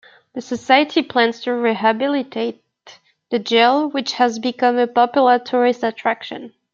The society plans to rehabilitate the jail, which has become a popular tourist attraction.